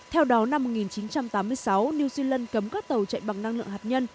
theo đó năm một nghìn chín trăm tám mươi sáu new zealand cấm các tàu chạy bằng năng lượng hạt nhân